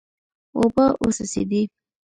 اوبه وڅڅېدې.